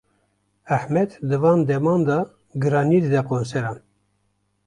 Ahmet di van deman de giraniyê dide konseran.